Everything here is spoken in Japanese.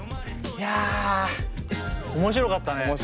いや面白かったね。